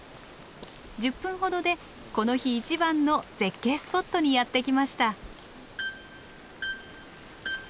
１０分ほどでこの日一番の絶景スポットにやって来ました。